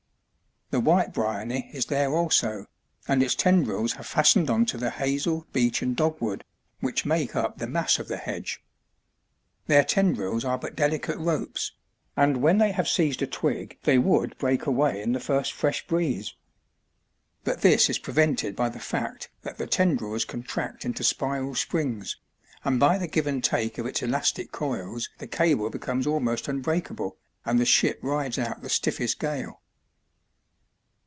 The white bryony is there also, and its tendrils have fastened on to the hazel, beech and dog wood, which make up the mass of the hedge. Their tendrils are but delicate ropes, and when they have seized a twig they would break away in the first fresh breeze. But this is prevented by the fact that the tendrils contract into spiral springs, and by the give and take of its elastic coils the cable becomes almost unbreakable and the ship rides out the stiffest gale.